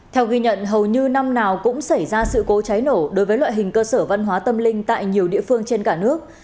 theo ghi nhận hầu như năm nào cũng xảy ra sự cố cháy nổ đối với loại hình cơ sở văn hóa tâm linh tại nhiều địa phương trên cả nước